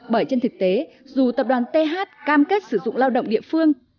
bởi trên thực tế dù tập đoàn th cam kết sử dụng lao động địa phương